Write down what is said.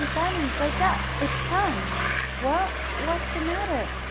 Bunny! Wake up! It's time!" "Wha what's matter?"